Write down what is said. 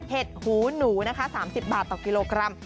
เห็ดหูหนูนะคะ๓๐บาทต่อกิโลกรัม